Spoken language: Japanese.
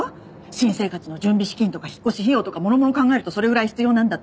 新生活の準備資金とか引っ越し費用とかもろもろ考えるとそれぐらい必要なんだって。